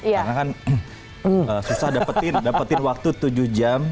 karena kan susah dapetin waktu tujuh jam sembilan jam